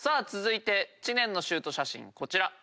続いて知念のシュート写真こちら。